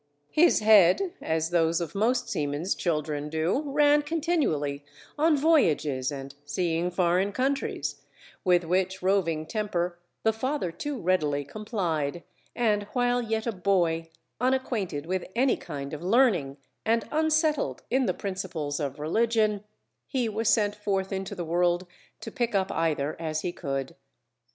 His head, as those of most seamen's children do, ran continually on voyages and seeing foreign countries, with which roving temper the father too readily complied, and while yet a boy, unacquainted with any kind of learning and unsettled in the principles of religion, he was sent forth into the world to pick up either as he could.